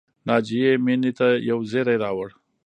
ناجیې مینې ته یو زېری راوړ